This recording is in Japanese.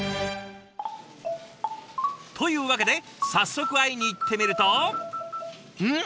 というわけで早速会いに行ってみるとん？